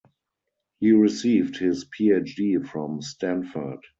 He received his Ph.D. from Stanford.